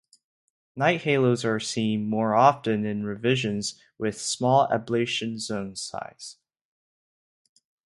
Night halos are seen more often in revisions with small ablation zone size.